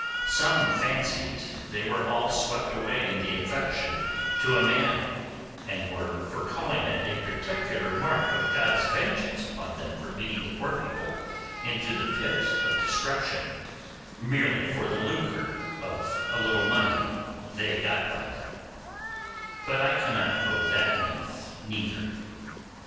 Some fancied they were all swept away in the infection to a man, and were for calling it a particular mark of God's vengeance upon them for leading the poor people into the pit of destruction, merely for the lucre of a little money they got by them; but I cannot go that length neither.